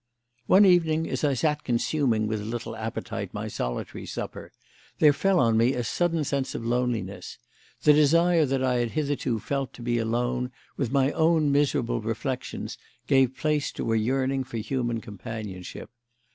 One evening, as I sat consuming with little appetite my solitary supper, there fell on me a sudden sense of loneliness. The desire that I had hitherto felt to be alone with my own miserable reflections gave place to a yearning for human companionship.